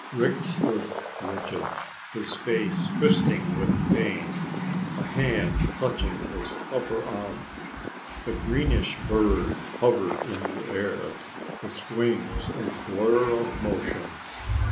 _ Rick stood rigid, his face twisting with pain, a hand clutching his upper arm. The greenish bird hovered in the air, its wings a blur of motion.